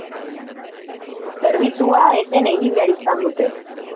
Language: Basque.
Zerbitzua eten egin behar izan dute.